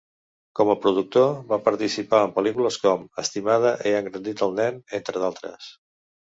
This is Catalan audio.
Com a productor va participar en pel·lícules com Estimada, he engrandit el nen, entre d'altres.